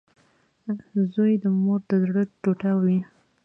• زوی د مور د زړۀ ټوټه وي.